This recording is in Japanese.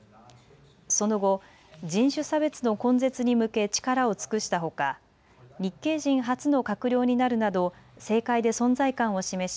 その後、人種差別の根絶に向け力を尽くしたほか日系人初の閣僚になるなど政界で存在感を示し